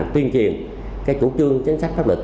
tuyên truyền chủ trương chính sách pháp lực